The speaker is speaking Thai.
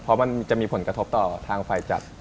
เพราะมันจะมีผลกระทบต่อทางไฟจัด